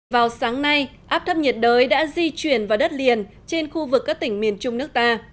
vào sáng nay áp thấp nhiệt đới đã di chuyển vào đất liền trên khu vực các tỉnh miền trung nước ta